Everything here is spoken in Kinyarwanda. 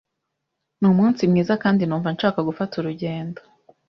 Numunsi mwiza kandi numva nshaka gufata urugendo.